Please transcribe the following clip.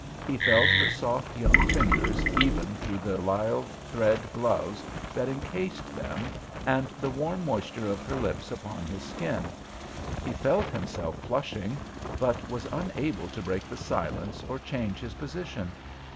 He felt her soft young fingers even through the lisle thread gloves that encased them and the warm moisture of her lips upon his skin. He felt himself flushing—but was unable to break the silence or change his position.